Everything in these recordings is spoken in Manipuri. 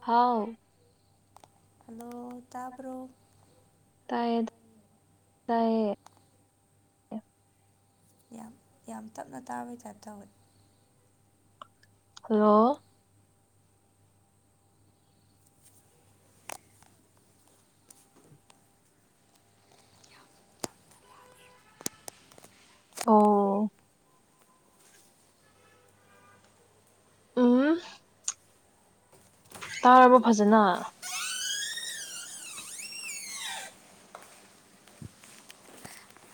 ꯍꯥꯎ ꯍꯜꯂꯣ ꯇꯥꯕ꯭ꯔꯣ ꯇꯥꯏꯌꯦ ꯇꯥꯏꯌꯦ ꯌꯥꯝ ꯌꯥꯝ ꯇꯞꯅ ꯇꯥꯕꯩꯇꯥ ꯇꯧꯋ ꯍꯜꯂꯣ ꯑꯥꯎ ꯎꯝ ꯇꯥꯔꯕ‌ꯣ ꯐꯖꯅ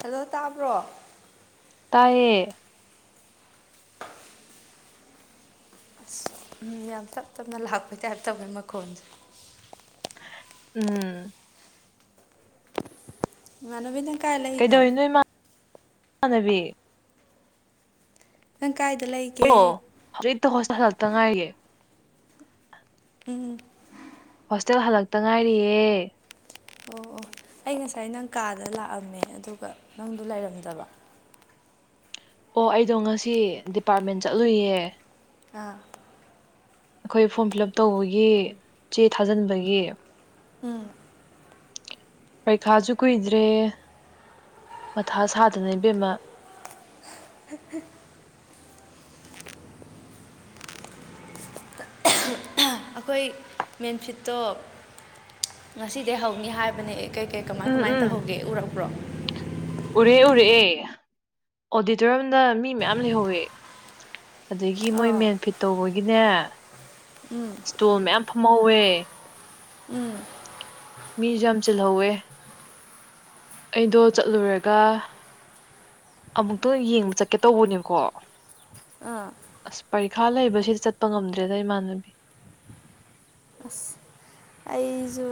ꯍꯜꯂꯣ ꯇꯥꯕ꯭ꯔꯣ ꯇꯥꯏꯌꯦ ꯎ ꯌꯥꯝ ꯇꯞ ꯇꯞꯅ ꯂꯥꯛꯄꯩ ꯇꯥꯏꯞꯋ‌ꯦ ꯃꯈꯣꯜꯁ‌ꯦ ꯎꯝ ꯏꯃꯥꯟꯅꯕꯤ ꯅꯪ ꯀꯥꯏ ꯂꯩ ꯀꯩꯗꯧꯏꯅ‌ꯣ ꯏꯃ ꯏꯃꯥꯟꯅꯕꯤ ꯅꯪ ꯀꯥꯏꯗ ꯂꯩ ꯑꯣ ꯍꯧꯖꯤꯛꯇ ꯍꯣꯁꯄꯤꯇꯥꯜꯇ ꯉꯥꯏꯒꯦ ꯎꯝ ꯍꯣꯁꯇꯦꯜ ꯍꯜꯂꯛꯇ ꯉꯥꯏꯔꯤꯌꯦ ꯑꯣ ꯑꯩ ꯉꯁꯥꯏ ꯅꯪ ꯀꯥꯗ ꯂꯥꯛꯑꯝꯃꯦ ꯑꯗꯨꯒ ꯅꯪ ꯂꯩꯔꯝꯗꯕ ꯑꯣ ꯑꯩꯗꯣ ꯉꯁꯤ ꯗꯤꯄꯥꯔꯠꯃꯦꯟ ꯆꯠꯂꯨꯏꯌꯦ ꯑꯥ ꯑꯩꯈꯣꯏ ꯐꯣꯔꯝ ꯐꯤꯜ ꯑꯞ ꯇꯧꯕꯒꯤ ꯆꯦ ꯊꯥꯖꯟꯕꯒꯤ ꯎꯝ ꯄꯩꯈꯥꯁꯨ ꯀꯨꯏꯗ꯭ꯔꯦ ꯃꯊꯥ ꯁꯥꯗꯅ ꯏꯕꯦꯝꯃ [unintelligible] ꯑꯩꯈꯣꯏ ꯃꯦꯟꯐꯤꯠꯇꯣ ꯉꯁꯤꯗꯩ ꯍꯧꯅꯤ ꯍꯥꯏꯕꯅꯦ ꯀꯩꯀꯩ ꯀꯃꯥꯏ ꯀꯃꯥꯏꯅ ꯇꯧꯍꯧꯒꯦ ꯎꯔꯛꯄ꯭ꯔꯣ ꯎꯔꯦ ꯎꯔꯛꯑꯦ ꯑꯣꯗꯤꯇꯣꯔꯤꯌꯝꯗ ꯃꯤ ꯃꯌꯥꯝ ꯂꯩꯍꯧꯋꯦ ꯑꯗꯒꯤ ꯃꯣꯏ ꯃꯦꯟꯐꯤꯠ ꯇꯧꯕꯒꯤꯅꯦ ꯏꯁꯇꯣꯜ ꯃꯌꯥꯝ ꯐꯝꯍꯧꯋꯦ ꯎꯝ ꯃꯤꯖꯨ ꯌꯥꯝ ꯆꯤꯜꯍꯧꯋꯦ ꯑꯩꯗꯣ ꯆꯠꯂꯨꯔꯒ ꯑꯃꯨꯛꯇꯪ ꯌꯦꯡꯕ ꯆꯠꯀꯦ ꯇꯧꯕꯅꯦꯕꯀꯣ ꯑꯥ ꯑꯁ ꯄꯔꯤꯈꯥ ꯂꯩꯕꯁꯤꯗꯤ ꯆꯠꯄ ꯉꯝꯗ꯭ꯔꯦꯗ ꯏꯃꯥꯟꯅꯕꯤ ꯑꯩꯖꯨ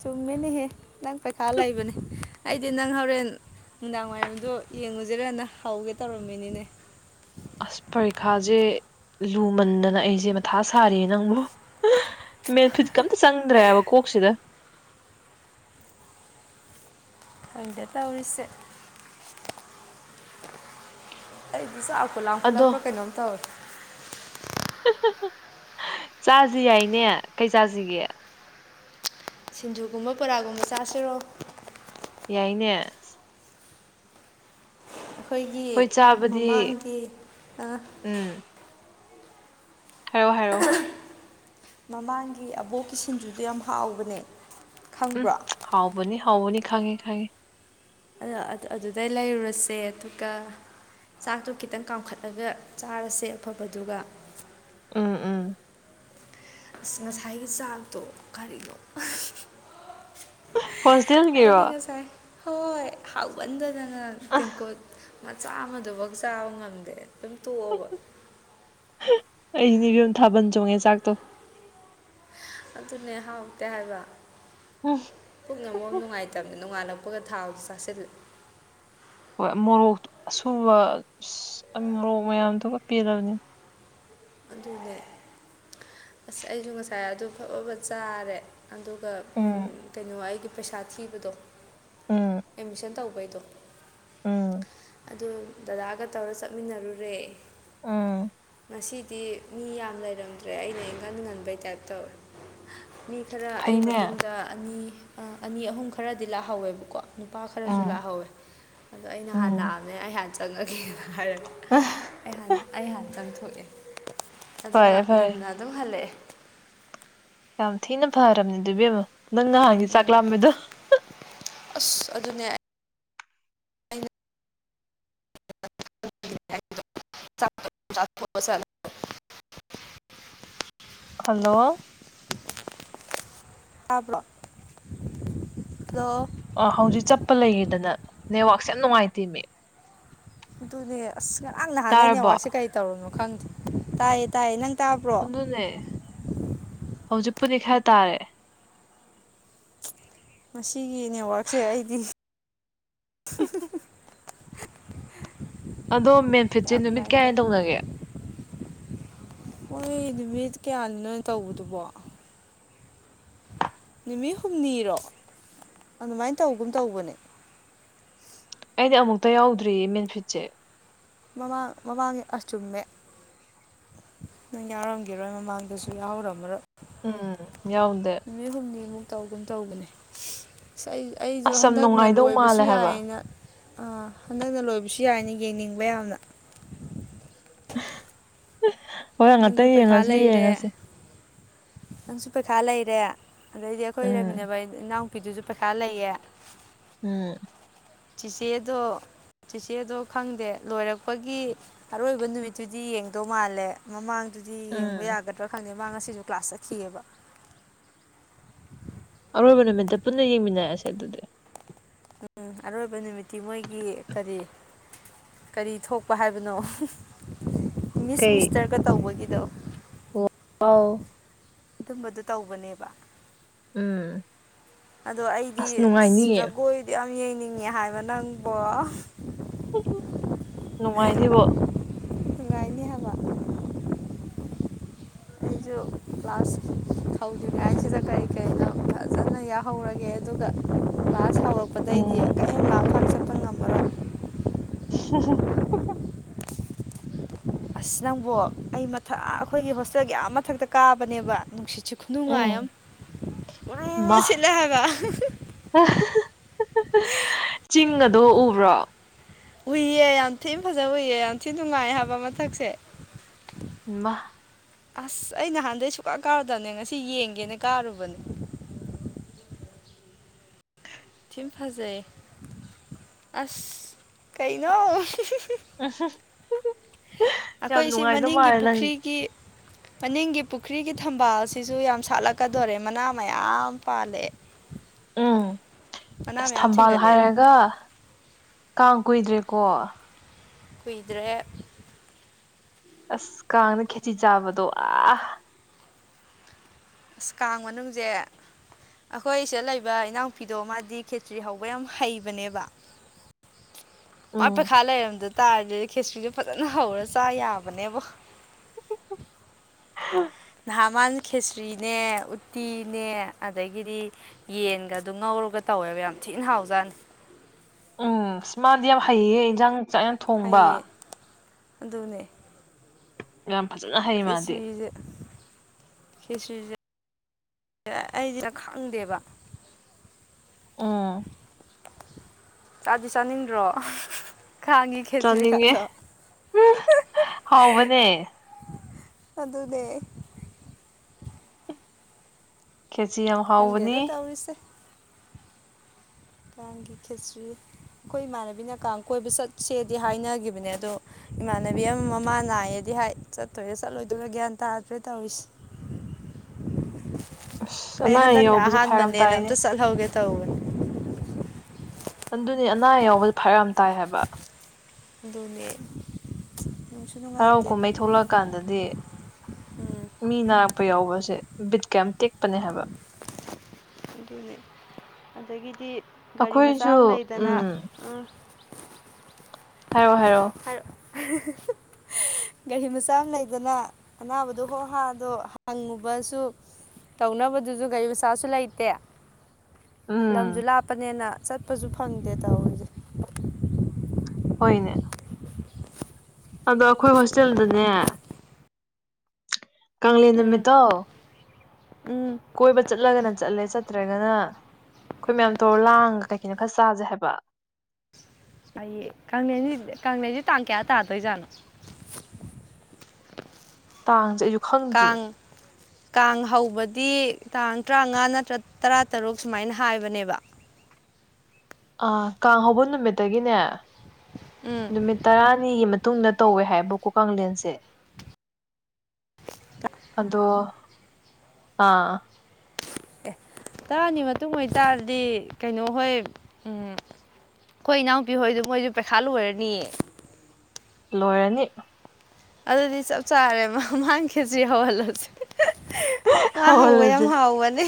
ꯆꯨꯝꯃꯤꯅꯦꯍꯦ ꯅꯪ ꯄꯩꯈꯥ ꯂꯩꯕꯅꯦ ꯑꯩꯗꯤ ꯅꯪ ꯍꯣꯔꯦꯟ ꯅꯨꯡꯗꯥꯡ ꯋꯥꯏꯔꯝꯗꯣ ꯌꯦꯡꯉꯨꯁꯤꯔꯅ ꯍꯧꯒꯦ ꯇꯧꯔꯝꯃꯤꯅꯤꯅꯦ ꯑꯁ ꯄꯔꯤꯈꯥꯖꯦ ꯂꯨꯃꯟꯗꯅ ꯑꯩꯖꯦ ꯃꯊꯥ ꯁꯥꯔꯤꯔ‌ꯦ ꯅꯪꯕꯨ ꯃ‌ꯦꯟꯐꯤꯠ ꯀꯥ ꯑꯝꯇ ꯆꯪꯗ꯭ꯔꯦꯕ ꯀꯣꯛꯁꯤꯗ ꯈꯪꯗ‌ꯦ ꯇꯧꯔꯤꯁꯦ ꯑꯩꯗꯤ ꯆꯥꯛꯄꯨ ꯑꯗꯣ ꯂꯥꯝꯈꯠꯂꯛꯄꯔꯥ ꯀꯩꯅꯣꯝ ꯇꯧꯔꯦ ꯆꯥꯖꯤ ꯌꯥꯏꯅꯦ ꯀꯩ ꯆꯥꯖꯤꯒꯦ ꯁꯤꯡꯖꯨꯒꯨꯝꯕ ꯕꯣꯔꯥꯒꯨꯝꯕ ꯆꯥꯁꯤꯔꯣ ꯌꯥꯏꯅꯦ ꯑꯩꯈꯣꯏꯒꯤ ꯍꯣꯏ ꯆꯥꯕꯗꯤ ꯃꯃꯥꯡꯒꯤ ꯑꯥ ꯍꯥꯏꯌꯣ ꯍꯥꯏꯌꯣ ꯃꯃꯥꯡꯒꯤ ꯑꯕꯣꯛꯀꯤ ꯁꯤꯡꯖꯨꯗꯣ ꯌꯥꯝ ꯍꯥꯎꯕꯅꯦ ꯎꯝ ꯈꯪꯕ꯭ꯔꯣ ꯍꯥꯎꯕꯅꯤ ꯍꯥꯎꯕꯅꯤ ꯈꯪꯉꯦ ꯈꯪꯉꯦ ꯑꯗꯥ ꯑꯗꯨꯗꯩ ꯂꯩꯔꯨꯔꯁꯦ ꯑꯗꯨꯒ ꯆꯥꯛꯇꯣ ꯈꯤꯇꯪ ꯀꯥꯝꯈꯠꯂꯒ ꯆꯥꯔꯁꯦ ꯑꯐꯕꯗꯨꯒ ꯎꯝ ꯎꯝ ꯑꯁ ꯉꯁꯥꯏꯒꯤ ꯆꯥꯛꯇꯣ ꯀꯔꯤꯅꯣ ꯍꯣꯁꯇꯦꯜꯒꯤꯔꯣ ꯀꯥꯏꯗꯤ ꯉꯁꯥꯏ ꯍꯣꯏ ꯍꯥꯎꯃꯟꯗꯥꯗꯅ ꯇꯦꯡꯀꯣꯠ ꯃꯆꯥ ꯑꯃꯗꯨꯕꯨꯛ ꯆꯥꯕ ꯉꯝꯗꯦ ꯑꯗꯨꯝ ꯇꯣꯛꯑꯕ ꯑꯩꯗꯤ ꯏꯕꯦꯝ ꯊꯥꯕꯜ ꯆꯣꯡꯉꯦ ꯆꯥꯛꯇꯣ ꯑꯗꯨꯅꯦ ꯍꯥꯎꯇꯦ ꯍꯥꯏꯕ ꯎꯝ ꯄꯨꯛꯅ ꯃꯔꯣꯟ ꯅꯨꯡꯉꯥꯏꯇꯕꯅꯤ ꯅꯣꯡꯉꯥꯟꯂꯛ ꯄꯒꯥ ꯊꯥꯎꯗꯣ ꯆꯥꯁꯤꯜꯂꯦ ꯍꯣꯏ ꯃꯣꯔꯣꯛ ꯑꯁꯨꯕ ꯃꯣꯔꯣꯛ ꯃꯌꯥꯝꯗꯨꯒ ꯄꯦꯜꯂꯕꯅꯤ ꯑꯗꯨꯅꯦ ꯑꯁ ꯑꯩꯖꯨ ꯉꯁꯥꯏ ꯑꯗꯨ ꯐꯥꯕꯥ ꯕꯠ ꯆꯥꯔꯦ ꯑꯗꯨꯒ ꯎꯝ ꯀꯩꯅꯣ ꯑꯩꯒꯤ ꯄꯩꯁꯥ ꯊꯤꯕꯗꯣ ꯎꯝ ꯑꯦꯠꯃꯤꯁꯟ ꯇꯧꯕꯩꯗꯣ ꯎꯝ ꯑꯗꯨ ꯗꯗꯥꯒ ꯇꯧꯔ ꯆꯠꯃꯤꯟꯅꯔꯨꯔꯦ ꯎꯝ ꯉꯁꯤꯗꯤ ꯃꯤ ꯌꯥꯝ ꯂꯩꯔꯝꯗ꯭ꯔꯦ ꯑꯩꯅ ꯉꯟ ꯉꯟꯕꯩ ꯇꯥꯏꯞ ꯇꯧꯋꯦ ꯃꯤ ꯈꯔ ꯑꯩ ꯐꯩꯅꯦ ꯃꯇꯨꯡꯗ ꯑꯅꯤ ꯑꯅꯤ ꯑꯍꯨꯝ ꯈꯔꯗꯤ ꯂꯥꯛꯍꯧꯋꯦꯕꯀꯣ ꯅꯨꯄꯥ ꯈꯔꯁꯨ ꯎꯝ ꯂꯥꯛꯍꯧꯋꯦ ꯑꯗꯣ ꯑꯩ ꯅꯍꯥꯟ ꯎꯝ ꯂꯥꯛꯑꯝꯃꯦ ꯑꯩꯍꯥꯟꯅ ꯆꯪꯉꯒꯦ ꯍꯥꯏꯔꯒ ꯑꯩꯍꯥꯟ ꯑꯩꯍꯥꯟ ꯆꯪꯊꯣꯛꯑꯦ ꯑꯗꯨꯅ ꯐꯔꯦ ꯐꯔꯦ ꯉꯟꯅ ꯑꯗꯨꯝ ꯍꯜꯂꯛꯑꯦ ꯌꯥꯝ ꯊꯤꯅ ꯐꯔꯕꯅꯦ ꯑꯗꯨ ꯏꯕꯦꯝꯃ ꯅꯪ ꯅꯍꯥꯟꯒꯤ ꯆꯥꯛ ꯎꯝ ꯂꯥꯥꯛꯝꯕꯗꯣ ꯑꯁ ꯑꯗꯨꯅꯦ ꯑꯩꯅ [unintelligible] ꯍꯜꯂꯣ ꯇꯥꯕ꯭ꯔꯣ ꯍꯜꯂꯣ ꯑꯥ ꯍꯧꯖꯤꯛ ꯆꯠꯄ ꯂꯩꯒꯤꯗꯅ ꯅꯦꯠꯋꯥꯛꯁꯦ ꯌꯥꯝ ꯅꯨꯡꯉꯥꯏꯇꯦ ꯃꯤ ꯑꯗꯨꯅꯦ ꯑꯁ ꯉꯥꯔꯥꯡ ꯅꯍꯥꯟꯅꯩ ꯇꯥꯔꯕꯣ ꯅꯦꯋꯥꯛꯁꯦ ꯀꯩ ꯇꯧꯔꯨꯅꯣ ꯈꯪꯗꯦ ꯇꯥꯏꯌꯦ ꯇꯥꯏꯌꯦ ꯅꯪ ꯇꯥꯕ꯭ꯔꯣ ꯑꯗꯨꯅꯦ ꯍꯧꯖꯤꯛꯄꯨꯗꯤ ꯈꯔ ꯇꯥꯔꯦ ꯃꯁꯤꯒꯤ ꯅꯦꯠꯋꯥꯛꯁꯦ ꯑꯩꯗꯤ ꯑꯗꯣ ꯃꯦꯟꯐꯤꯠꯁꯦ ꯅꯨꯃꯤꯠ ꯀꯌꯥꯅꯤ ꯇꯧꯅꯒꯦ ꯍꯣꯏ ꯅꯨꯃꯤꯠ ꯀꯌꯥꯅꯤꯅꯣ ꯇꯧꯗꯨꯕꯣ ꯅꯨꯃꯤꯠ ꯍꯨꯝꯅꯤꯔꯣ ꯑꯗꯨꯃꯥꯏꯅ ꯇꯧꯒꯨꯝ ꯇꯧꯕꯅꯦ ꯑꯩꯗꯤ ꯑꯃꯨꯛꯇ ꯌꯥꯎꯗ꯭ꯔꯤꯌꯦ ꯃꯦꯟꯐꯤꯠꯁꯦ ꯃꯃꯥꯡ ꯃꯃꯥꯡꯉꯦ ꯑꯥ ꯆꯨꯝꯃꯦ ꯅꯪ ꯌꯥꯎꯔꯝꯈꯤꯔꯣꯏ ꯃꯃꯥꯡꯗꯁꯨ ꯌꯥꯍꯧꯔꯝꯃꯔꯣꯏ ꯎꯝ ꯌꯥꯎꯗꯦ ꯅꯨꯃꯤꯠ ꯍꯨꯝꯅꯤꯃꯨꯛ ꯇꯧꯒꯨꯝ ꯇꯧꯕꯅꯦꯁ ꯑꯩ ꯑꯩꯁꯨ ꯑꯁ ꯌꯥꯝ ꯍꯟꯗꯛꯅ ꯅꯨꯡꯉꯥꯏꯗꯧ ꯂꯣꯏꯕꯁꯨ ꯃꯥꯜꯂꯦ ꯍꯥꯏꯕ ꯌꯥꯏꯑꯦꯅ ꯑꯥ ꯍꯟꯗꯛꯅ ꯂꯣꯏꯕꯁꯨ ꯌꯥꯏꯅꯦ ꯌꯦꯡꯅꯤꯡꯕ ꯌꯥꯝꯅ ꯍꯣꯏ ꯉꯉꯥꯛꯇꯪ ꯅꯪꯁꯨ ꯄꯩꯈꯥ ꯌꯦꯡꯉꯁꯨ ꯂꯩꯔꯦ ꯌꯦꯡꯉꯁꯤ ꯅꯪꯁꯨ ꯄꯩꯈꯥ ꯂꯩꯔꯦ ꯑꯗꯩꯗꯤ ꯑꯩꯈꯣꯏ ꯎꯝ ꯂꯩꯃꯤꯟꯅꯕ ꯏꯅꯥꯎꯨꯄꯤꯗꯨꯁꯨ ꯄꯩꯈꯥ ꯂꯩꯌꯦ ꯎꯝ ꯆꯤꯆꯦꯗꯣ ꯆꯤꯆꯦꯗꯣ ꯈꯪꯗꯦ ꯂꯣꯏꯔꯛꯄꯒꯤ ꯑꯔꯣꯏꯕ ꯅꯨꯃꯤꯠꯇꯨꯗꯤ ꯌꯦꯡꯗꯧ ꯃꯥꯜꯂꯦ ꯃꯃꯥꯡꯗꯨꯗꯤ ꯎꯝ ꯌꯦꯡꯕ ꯌꯥꯒꯗ꯭ꯔꯥ ꯈꯪꯗꯦ ꯃꯥ ꯉꯁꯤꯁꯨ ꯀ꯭ꯂꯥꯁ ꯆꯠꯈꯤꯑꯕ ꯑꯔꯣꯏꯕ ꯅꯨꯃꯤꯠꯇ ꯄꯨꯟꯅ ꯌꯦꯡꯃꯤꯟꯅꯔꯁꯦ ꯑꯗꯨꯗꯤ ꯎꯝ ꯑꯔꯣꯏꯕ ꯅꯨꯃꯤꯠꯇꯤ ꯃꯣꯏꯒꯤ ꯀꯔꯤ ꯀꯔꯤ ꯊꯣꯛꯄ ꯍꯥꯏꯕꯅꯣ ꯃꯤꯁ ꯀꯩ ꯃꯤꯁꯇꯔꯒ ꯇꯧꯕꯒꯤꯗꯣ ꯑꯥꯎ ꯑꯗꯨꯝꯕꯗꯨ ꯇꯧꯕꯅꯦꯕ ꯎꯝ ꯑꯗꯣ ꯑꯩꯗꯤ ꯑꯁ ꯅꯨꯡꯉꯥꯏꯅꯤꯌꯦ ꯖꯒꯣꯏꯗꯤ ꯌꯥꯝ ꯌꯦꯡꯅꯤꯡꯉꯦ ꯍꯥꯏꯕ ꯅꯪꯕꯣ ꯅꯨꯡꯉꯥꯏꯅꯤꯕꯣ ꯅꯨꯡꯉꯥꯏꯅꯤ ꯍꯥꯏꯕꯥ ꯑꯩꯁꯨ ꯀ꯭ꯂꯥꯁ ꯍꯧꯗ꯭ꯔꯤꯉꯥꯏꯁꯤꯗ ꯀꯔꯤ ꯀꯔꯤꯅꯣ ꯐꯖꯅ ꯌꯥꯍꯧꯔꯒꯦ ꯑꯗꯨꯒ ꯀ꯭ꯂꯥꯁ ꯎꯝ ꯍꯧꯔꯛꯄꯗꯩꯗꯤ ꯀꯩꯌꯏꯝ ꯂꯥꯡ ꯐꯥꯡ ꯆꯠꯄ ꯉꯝꯃꯔꯣꯏ [unintelligible] ꯑꯁ ꯅꯪꯕꯣ ꯑꯩ ꯃꯊꯛ ꯑ ꯑꯩꯈꯣꯏꯒꯤ ꯍꯣꯁꯇꯦꯜꯒꯤ ꯑꯥ ꯃꯊꯛꯇ ꯀꯥꯕꯅꯦꯕ ꯅꯨꯡꯁꯤꯠꯁꯤ ꯎꯝ ꯈꯨꯅꯨꯡꯉꯥꯏ ꯑꯃꯥ ꯎꯔꯨ ꯔꯨ ꯃꯥ ꯁꯤꯠꯂꯦ ꯍꯥꯏꯕ [unintelligible] ꯆꯤꯡꯒꯗꯣ ꯎꯕ꯭ꯔꯣ ꯎꯏꯌꯦ ꯌꯥꯝ ꯊꯤ ꯐꯖꯅ ꯎꯏꯌꯦ ꯌꯥꯝ ꯊꯤ ꯅꯨꯡꯉꯥꯏ ꯍꯥꯏꯕ ꯃꯊꯛꯁꯦ ꯏꯃꯥ ꯑꯁ ꯑꯩ ꯅꯍꯥꯟꯗꯩ ꯁꯨꯛꯀꯥ ꯀꯥꯔꯨꯗꯕꯅꯦ ꯉꯁꯤ ꯌꯦꯡꯒꯦꯅ ꯀꯥꯔꯨꯕꯅꯦ ꯊꯤ ꯐꯖꯩꯌꯦ ꯑꯁ ꯀꯩꯅꯣ [unintelligible] ꯌꯥꯝ ꯑꯩꯈꯣꯏ ꯁꯤ ꯅꯨꯡꯉꯥꯏꯗꯧ ꯃꯅꯤꯡꯒꯤ ꯃꯥꯜꯂꯦ ꯅꯪ ꯄꯨꯈ꯭ꯔꯤꯒꯤ ꯃꯅꯤꯡꯒꯤ ꯄꯨꯈ꯭ꯔꯤꯒꯤ ꯊꯝꯕꯥꯜꯁꯤꯁꯨ ꯌꯥꯝ ꯁꯥꯠꯂꯛꯀꯗꯣꯔꯦ ꯃꯅꯥ ꯃꯌꯥꯝ ꯄꯥꯜꯂꯛꯑ [unintelligible] ꯎꯝ ꯑꯁ ꯊꯝꯕꯥꯜ ꯍꯥꯏꯔꯒ ꯀꯥꯡ ꯀꯨꯏꯗ꯭ꯔꯦꯀꯣ ꯀꯨꯏꯗ꯭ꯔꯦ ꯑꯁ ꯀꯥꯡꯗ ꯈꯦꯆ꯭ꯔꯤ ꯆꯥꯕꯗꯣ ꯑꯥ ꯑꯁ ꯀꯥꯡ ꯃꯅꯨꯡꯁꯦ ꯑꯩꯈꯣꯏ ꯁꯤꯗ ꯂꯩꯕ ꯏꯅꯥꯎꯄꯤꯗꯣ ꯃꯥꯗꯤ ꯈꯦꯆ꯭ꯔꯤ ꯍꯧꯕ ꯌꯥꯝ ꯍꯩꯕꯅꯦꯕ ꯃꯥ ꯎꯝ ꯄꯩꯈꯥ ꯂꯩꯔꯝꯗ ꯇꯥꯔꯗꯤ ꯈꯦꯆ꯭ꯔꯤꯗꯨ ꯐꯖꯅ ꯍꯧꯔ ꯆꯥ ꯌꯥꯕꯅꯦꯕꯣ ꯅꯍꯥꯟ ꯃꯅꯥ ꯈꯦꯆ꯭ꯔꯤꯅꯦ ꯎꯇꯤꯅꯦ ꯑꯗꯒꯤꯗꯤ ꯌꯦꯟꯒꯗꯨ ꯉꯧꯔꯒ ꯇꯧꯋꯦꯕ ꯌꯥꯝ ꯊꯤꯅ ꯍꯥꯎꯖꯥꯠꯅꯤ ꯎꯝ ꯃꯥꯗꯤ ꯌꯥꯝ ꯍꯩꯌꯦ ꯏꯟꯖꯥꯡ ꯆꯥꯛ ꯌꯥꯝ ꯊꯣꯡꯕ ꯍꯩꯌꯦ ꯑꯗꯨꯅꯦ ꯌꯥꯝ ꯐꯖꯅ ꯍꯩ ꯃꯥꯗꯤ ꯈꯦꯆ꯭ꯔꯤꯖꯦ ꯈꯦꯆ꯭ꯔꯤꯖ ꯑꯩꯗꯤ ꯈꯪꯗꯦꯕ ꯑꯣ ꯆꯥꯗꯤ ꯆꯥꯅꯤꯡꯗ꯭ꯔꯣ ꯀꯥꯡꯒꯤ ꯆꯥꯅꯤꯡꯉꯦ ꯈꯦꯆ꯭ꯔꯤꯒꯥꯗꯣ ꯍꯥꯎꯕꯅꯦ ꯑꯗꯨꯅꯦ ꯈꯦꯆ꯭ꯔꯤ ꯌꯥꯝ ꯈꯪꯗꯦꯗ ꯍꯥꯎꯕꯅꯤ ꯇꯧꯔꯤꯁꯦ ꯀꯥꯡꯒꯤ ꯈꯦꯆ꯭ꯔꯤ ꯑꯩꯈꯣꯏ ꯏꯃꯥꯟꯅꯕꯤꯅ ꯀꯥꯡ ꯀꯣꯏꯕ ꯆꯠꯁꯦꯗꯤ ꯍꯥꯏꯅꯒꯤꯕꯅꯦ ꯑꯗꯣ ꯏꯃꯥꯟꯅꯕꯤ ꯑꯃ ꯃꯃꯥ ꯅꯥꯏꯌꯦꯗꯤ ꯍꯥꯏ ꯆꯠꯇꯣꯏꯔꯦ ꯆꯠꯂꯣꯏꯗꯣꯏꯔꯥ ꯒ꯭ꯌꯥꯟ ꯇꯥꯗ꯭ꯔꯦ ꯇꯧꯔꯤꯁꯦ ꯑꯁ ꯑꯩ ꯑꯅꯥ ꯑꯌꯦꯛ ꯍꯟꯗꯛꯅ ꯌꯥꯎꯕꯁꯦ ꯐꯔꯛ ꯌꯥꯝ ꯑꯍꯥꯟꯕꯅꯦꯅ ꯇꯥꯏꯅꯦ ꯑꯝꯇ ꯆꯠꯍꯧꯒꯦ ꯇꯧꯕꯅꯦ ꯑꯗꯨꯅꯤ ꯑꯅꯥ ꯑꯌꯦꯛ ꯌꯥꯎꯕꯖꯦ ꯐꯔꯛ ꯌꯥꯝ ꯇꯥꯏ ꯍꯥꯏꯕ ꯑꯗꯨꯅꯦ ꯅꯨꯡꯁꯨ ꯍꯔꯥꯎ ꯅꯨꯡꯉꯥꯏꯇꯦ ꯀꯨꯝꯍꯩ ꯊꯣꯛꯂꯛ ꯀꯥꯟꯗꯗꯤ ꯎꯝ ꯃꯤ ꯅꯥꯔꯛꯄ ꯌꯥꯎꯕꯁꯦ ꯕꯤꯠ ꯀꯥ ꯌꯥꯝ ꯇꯦꯛꯄꯅꯦ ꯍꯥꯏꯕ ꯑꯗꯨꯅꯤ ꯑꯗꯒꯤꯗꯤ ꯒꯥꯔꯤ ꯃꯆꯥ ꯑꯩꯈꯣꯏꯁꯨ ꯑꯃ ꯂꯩꯗꯅ ꯎ ꯍꯥꯏꯔꯛꯑꯣ ꯍꯥꯏꯔꯛꯑꯣ ꯍꯥꯏꯔꯛ ꯒꯥꯔꯤ ꯃꯆꯥ ꯑꯃ ꯂꯩꯗꯅ ꯑꯅꯥꯕꯗꯣ ꯍꯣ ꯍꯥꯗꯣ ꯍꯪꯉꯨꯕꯁꯨ ꯇꯧꯅꯕꯗꯨꯁꯨ ꯒꯥꯔꯤ ꯃꯆꯥꯁꯨ ꯂꯩꯇꯦ ꯂꯝꯖꯨ ꯎꯝ ꯂꯥꯞꯄꯅꯦꯅ ꯆꯠꯄꯁꯨ ꯐꯪꯗꯦ ꯇꯧꯔꯤ ꯍꯣꯏꯅꯦ ꯑꯗꯣ ꯑꯩꯈꯣꯏ ꯍꯣꯁꯇꯦꯜꯗꯅꯦ ꯀꯪꯂꯦꯟ ꯎꯝ ꯅꯨꯃꯤꯠꯇꯣ ꯎꯝ ꯀꯣꯏꯕ ꯆꯠꯂꯒꯅ ꯆꯠꯂꯦ ꯆꯠꯇ꯭ꯔꯒꯅ ꯑꯩꯈꯣꯏ ꯃꯌꯥꯝ ꯇꯧꯔ ꯂꯥꯡꯉ ꯀꯩ ꯀꯩꯅꯣ ꯈꯔ ꯆꯥꯁꯦ ꯍꯥꯏꯕ ꯑꯩꯌꯦ ꯀꯥꯡꯂꯦꯟꯁꯤ ꯀꯥꯡꯂꯦꯟꯁꯖꯦ ꯇꯥꯡ ꯀꯌꯥ ꯇꯥꯗꯣꯏꯖꯥꯠꯅꯣ ꯇꯥꯡꯖꯩ ꯀꯥꯡ ꯀꯥꯡ ꯍꯧꯕꯗꯤ ꯇꯥꯡ ꯇꯔꯥꯃꯉꯥ ꯅꯠꯇ꯭ꯔ ꯇꯔꯥ ꯇꯔꯨꯛ ꯁꯨꯃꯥꯏꯅ ꯍꯥꯏꯕꯅꯦꯕ ꯑꯥ ꯀꯥꯡ ꯍꯧꯕ ꯅꯨꯃꯤꯠꯇꯒꯤꯅꯦ ꯎꯝ ꯅꯨꯃꯤꯠ ꯇꯔꯥꯅꯤꯒꯤ ꯃꯇꯨꯡꯗ ꯇꯧꯋꯦ ꯍꯥꯏꯕ ꯀꯣ ꯀꯥꯡꯂꯦꯟꯁꯦ ꯑꯗꯣ ꯑꯥ ꯑꯦ ꯇꯔꯥꯅꯤ ꯃꯇꯨꯡ ꯑꯣꯏꯇꯥꯔꯗꯤ ꯀꯩꯅꯣ ꯍꯣꯏ ꯎꯝ ꯑꯩꯈꯣꯏ ꯏꯅꯥꯎꯄꯤ ꯍꯣꯏꯗꯣ ꯃꯣꯏꯁꯨ ꯄ꯭ꯔꯤꯈꯌꯥ ꯂꯣꯏꯔꯅꯤ ꯂꯣꯏꯔꯅꯤ ꯑꯗꯨꯗꯤ ꯆꯞ ꯆꯥꯔꯦꯕ ꯃꯥ ꯈꯦꯆ꯭ꯔꯤ ꯍꯧꯍꯜꯂꯁꯦ ꯋꯥ ꯍꯥꯎꯋ ꯌꯥꯝ ꯍꯥꯎꯕꯅꯦ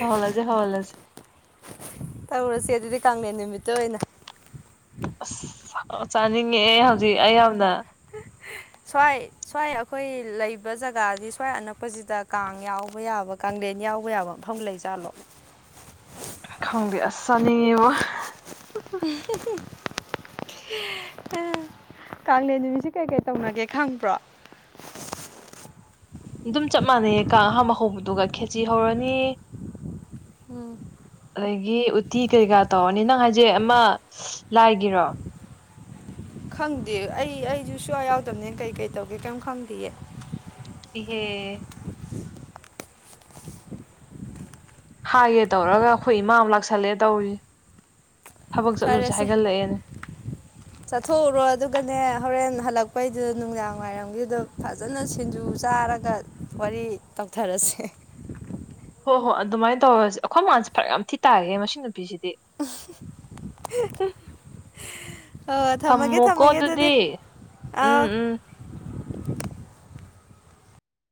ꯍꯥꯎꯍꯜꯂꯁꯦ ꯍꯥꯎꯍꯜꯂꯁꯦ ꯇꯧꯔꯁꯦ ꯑꯗꯨꯗꯤ ꯀꯥꯡꯂꯦꯟ ꯅꯨꯃꯤꯠꯇ ꯑꯣꯏꯅ ꯑꯁ ꯆꯥꯅꯤꯡꯉꯛꯑꯦ ꯍꯧꯖꯤꯛ ꯑꯩ ꯌꯥꯝꯅ ꯁꯋꯥꯏ ꯁꯋꯥꯏ ꯑꯩꯈꯣꯏ ꯂꯩꯕ ꯖꯒꯥꯗꯤ ꯁꯋꯥꯏ ꯑꯅꯛꯄꯁꯤꯗ ꯀꯥꯡ ꯌꯥꯎꯕ ꯌꯥꯕ ꯀꯥꯡꯂꯦꯟ ꯌꯥꯎꯕ ꯌꯥꯕ ꯃꯐꯝ ꯂꯩꯖꯥꯠꯂꯣ ꯈꯪꯗꯦ ꯑꯁ ꯆꯥꯅꯤꯡꯉꯦꯕꯣ [unintelligible] [inaudible] ꯎ ꯀꯥꯡꯂꯦꯟ ꯅꯨꯃꯤꯠꯁꯤ ꯀꯩꯀꯩ ꯇꯧꯅꯒꯦ ꯈꯪꯕ꯭ꯔꯣ ꯑꯗꯨꯝ ꯆꯞ ꯃꯥꯟꯅꯩꯌꯦ ꯀꯥꯡ ꯑꯍꯥꯝꯕ ꯍꯧꯕꯗꯨꯒ ꯈꯦꯆꯤ ꯍꯧꯔꯅꯤ ꯎꯝ ꯑꯗꯒꯤ ꯎꯠꯇꯤ ꯀꯩꯀꯥ ꯇꯧꯔꯅꯤ ꯅꯪ ꯍꯥꯏꯁꯦ ꯑꯃ ꯂꯥꯏꯒꯤꯔꯣ ꯈꯪꯗꯦ ꯑꯩ ꯑꯩꯁꯨ ꯁꯨꯡꯋꯥꯎ ꯌꯥꯎꯗꯕꯅꯤꯅ ꯀꯩ ꯀꯩ ꯇꯧꯒꯦ ꯀꯩꯝ ꯈꯪꯗꯦꯌꯦ ꯏꯍꯦ ꯍꯥꯏꯒꯦ ꯇꯧꯔꯒ ꯑꯩꯈꯣꯏ ꯏꯃꯥ ꯑꯃꯨꯛ ꯂꯥꯛꯁꯜꯂꯛꯑꯦ ꯇꯧꯔꯤꯁꯦ ꯊꯕꯛ ꯆꯠꯂꯨꯁꯦ ꯐꯔꯦꯁꯦ ꯍꯥꯏꯒꯠꯂꯛꯑꯦꯅꯦ ꯆꯠꯊꯣꯛꯎꯔꯣ ꯑꯗꯨꯒꯅꯦ ꯍꯣꯔꯦꯟ ꯍꯜꯂꯛꯄꯩꯗꯨꯗ ꯅꯨꯡꯗꯥꯡ ꯋꯥꯏꯔꯝꯒꯤꯗ ꯐ ꯐꯖꯅ ꯁꯤꯡꯖꯨ ꯆꯥꯔꯒ ꯋꯥꯔꯤ ꯇꯧꯊꯔꯁꯦ ꯍꯣꯏ ꯍꯣꯏ ꯑꯗꯨꯃꯥꯏꯅ ꯇꯧꯔꯁꯤ ꯑꯩꯈꯣꯏ ꯃꯥꯁꯦ ꯐꯔꯛ ꯌꯥꯝ ꯊꯤ ꯇꯥꯢꯌꯦ ꯃꯁꯤ ꯅꯨꯄꯤꯁꯤꯗꯤ ꯎꯝ [inaudible] ꯑ ꯊꯝꯃꯒꯦ ꯊꯝꯃꯒꯦ ꯑꯗꯨꯗꯤ ꯑꯥꯎ